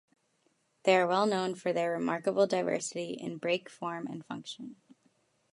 They are well known for their remarkable diversity in beak form and function.